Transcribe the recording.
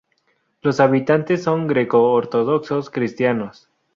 Los habitantes son greco-ortodoxos cristianos.